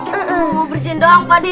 kita mau bersihin doang pakde